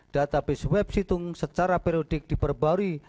database web situng secara periodik diperbarui